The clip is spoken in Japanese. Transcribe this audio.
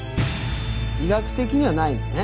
医学的にはないんだね。